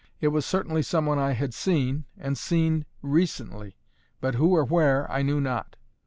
It was certainly some one I had seen, and seen recently; but who or where, I knew not.